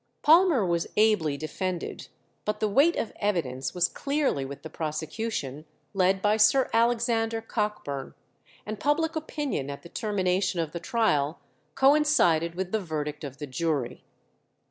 Palmer was ably defended, but the weight of evidence was clearly with the prosecution, led by Sir Alexander Cockburn, and public opinion at the termination of the trial coincided with the verdict of the jury.